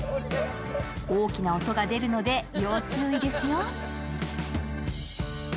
大きな音が出るので要注意ですよ。